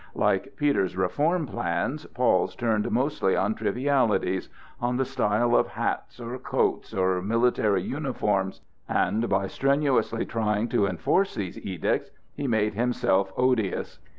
Like Peter's reform plans, Paul's turned mostly on trivialities,—on the style of hats or coats or military uniforms,—and by strenuously trying to enforce these edicts he made himself odious.